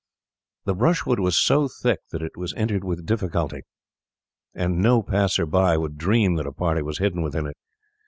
The brushwood was so thick that it was entered with difficulty, and no passer by would dream that a party was hidden within it.